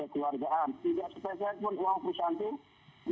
tidak sepesa pun uang perusahaan itu